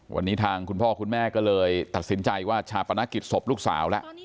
วันนี้ทางคุณพ่อคุณแม่ก็เลยตัดสินใจว่าชาปนกิจศพลูกสาวแล้ว